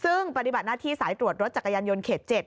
ซึ่งปฏิบัติหน้าที่สายตรวจรถจักรยานยนต์เขต๗